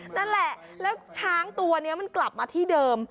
นั่นแหละแล้วช้างตัวนี้มันกลับมาที่เดิม